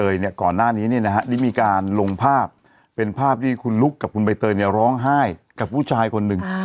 ก่อนหน้านี้เนี่ยนะฮะได้มีการลงภาพเป็นภาพที่คุณลุกกับคุณใบเตยเนี่ยร้องไห้กับผู้ชายคนหนึ่ง